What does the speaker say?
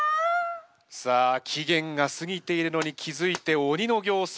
さあ期限が過ぎているのに気付いて鬼の形相。